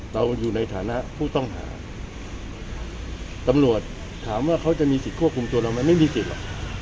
เราอยู่ในฐานะผู้ต้องหาตำรวจถามว่าเขาจะมีสิทธิ์ควบคุมตัวเราไหมไม่มีสิทธิ์หรอก